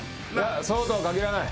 そうとは限らない。